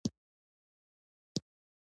دا میوه د بدن د داخلي حرارت کنټرولوي.